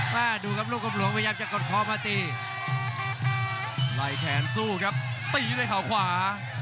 มาดูครับลูกกลมหลวงพยายามจะกดคอมาตีไล่แขนสู้ครับตีด้วยเขาขวา